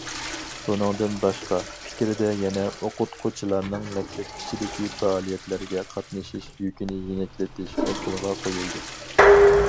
بۇنىڭدىن باشقا، پىكىردە يەنە ئوقۇتقۇچىلارنىڭ مەكتەپ ئىچىدىكى پائالىيەتلەرگە قاتنىشىش يۈكىنى يېنىكلىتىش ئوتتۇرىغا قويۇلدى.